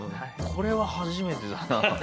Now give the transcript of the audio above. これは初めてだな。